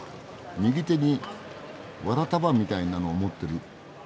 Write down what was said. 右手にわら束みたいなの持ってる。